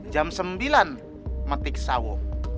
jam sembilan metik sawo